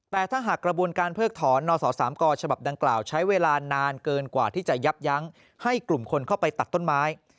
แต่ถ้าหากกระบวนการเพิกถอนนสสามกฉบับดังกล่าวใช้เวลานานเกินกว่าที่จะยับยั้งให้กลุ่มคนเข้าไปตัดต้นไม้